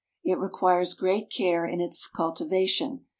It requires great care in its cultivation.